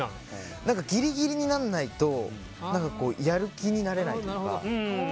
ギリギリにならないとやる気になれないというか。